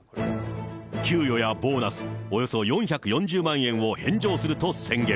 給与やボーナスおよそ４４０万円を返上すると宣言。